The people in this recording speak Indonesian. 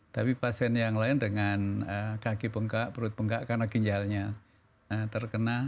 tapi pasien yang lain dengan kaki bengkak perut bengkak karena ginjalnya terkena